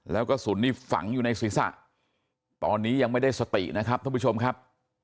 แล้วกระสุนนี่ฝังอยู่ในศีรษะตอนนี้ยังไม่ได้สตินะครับท่านผู้ชมครับ